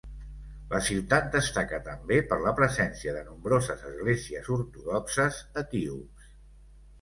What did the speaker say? La ciutat destaca també per la presència de nombroses esglésies ortodoxes etíops.